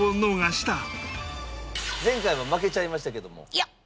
前回は負けちゃいましたけども。